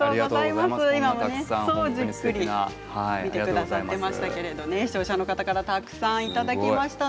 今、じっくり見てくださっていましたけれども視聴者の方からたくさんいただきました。